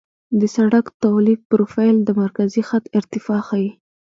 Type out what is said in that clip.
د سړک طولي پروفیل د مرکزي خط ارتفاع ښيي